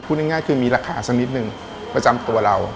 ง่ายคือมีราคาสักนิดนึงประจำตัวเรา